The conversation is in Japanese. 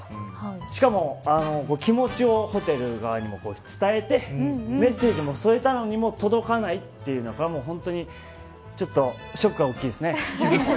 しかも気持ちをホテル側にも伝えてメッセージも添えたのにも届かないというのは本当に、ショックが大きいです。